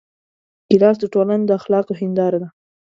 ګیلاس د ټولنې د اخلاقو هنداره ده.